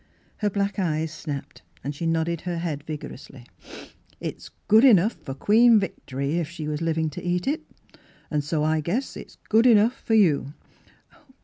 Her black eyes snapped and she nodded her head vigorously. " It's good enough for Queen Victory, if she was livin' to eat it, an' so I guess it's good enough for you."